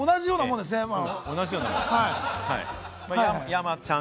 山ちゃん。